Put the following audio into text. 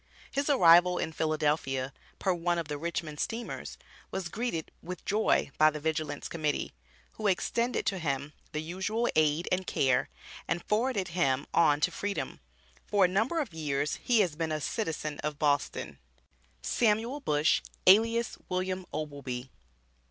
His arrival in Philadelphia, per one of the Richmond steamers, was greeted with joy by the Vigilance Committee, who extended to him the usual aid and care, and forwarded him on to freedom. For a number of years, he has been a citizen of Boston. SAMUEL BUSH, ALIAS WILLIAM OBLEBEE.